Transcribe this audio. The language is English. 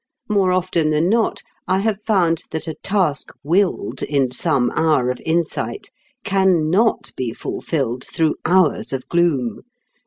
More often than not I have found that a task willed in some hour of insight can not be fulfilled through hours of gloom.